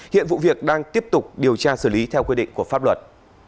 hiện vụ việc đang tiếp tục điều tra xử lý theo quy định của pháp luật